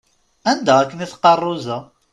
Anda akken i teqqaṛ Roza?